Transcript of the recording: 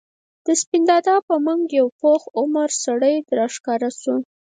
د سپين دادا په منګ یو پوخ عمر سړی راښکاره شو.